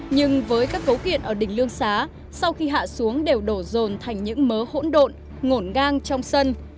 nhưng với các cấu kiện ở đỉnh lương xá sau khi hạ xuống đều đổ rồn thành những mớ hỗn độn ngổn ngang trong sân